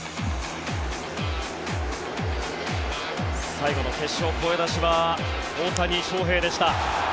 最後の決勝、声出しは大谷翔平でした。